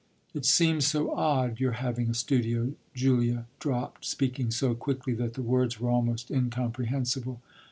"It seems so odd your having a studio!" Julia dropped, speaking so quickly that the words were almost incomprehensible.